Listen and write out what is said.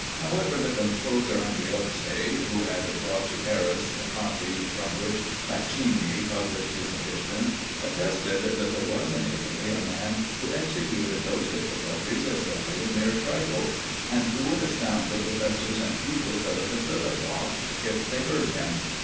However, the composer, Andreozzi, who had brought to Paris the copy from which Pacini published his edition, attested that there was in Italy a man who executed those difficulties as though they were mere trifles, and who would astound the professors and pupils of the Conservatoire, if they heard him.